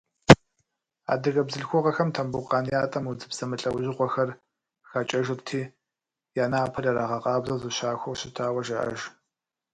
Адыгэ бзылъхугъэхэм Тамбукъан ятӏэм удзыпс зэмылӏэужьыгъуэхэр хакӏэжырти, я напэр ирагъэкъабзэу, зыщахуэу щытауэ жаӏэж.